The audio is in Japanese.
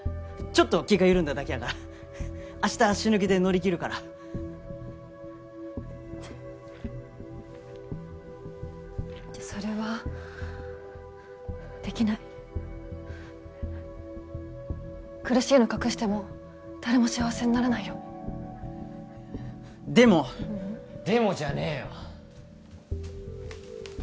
ちょっと気が緩んだだけやから明日死ぬ気で乗り切るからそれはできない苦しいの隠しても誰も幸せにならないよでもでもじゃねえよ